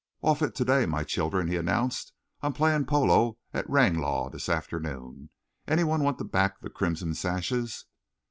"Off it to day, my children," he announced. "I'm playing polo at Ranelagh this afternoon. Any one want to back the Crimson Sashes?"